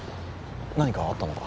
何かあったのか？